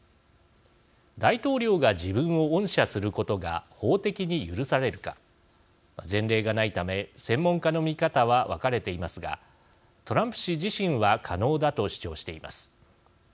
大統領が自分を恩赦することが法的に許されるか前例がないため専門家の見方は分かれていますがトランプ氏自身は可能だと主張しています。